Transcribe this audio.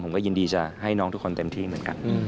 ยินดีจะให้น้องทุกคนเต็มที่เหมือนกัน